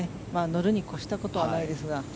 乗るに越したことはないですが。